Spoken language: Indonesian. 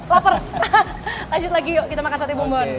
laper lanjut lagi yuk kita makan sate bumbun